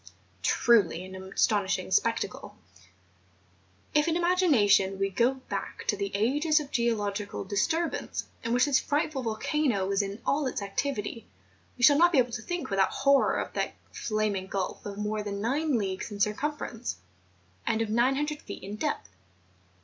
Truly an astonishing spec¬ tacle! If in imagination we go back to the ages of geological disturbance in which this frightful volcano was in all its activity we shall not be able to think without horror of that flaming gulf of more than nine leagues in circumference, and of 900 feet in depth.